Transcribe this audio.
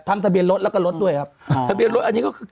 ทะเบียนรถแล้วก็รถด้วยครับทะเบียนรถอันนี้ก็คือ